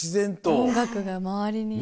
音楽が周りに。